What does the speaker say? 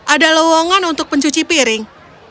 ada lowongan untuk pencuci piring